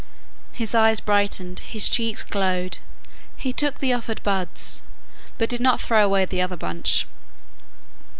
His eyes brightened, his cheeks glowed. He took the offered buds, but did not throw away the other bunch.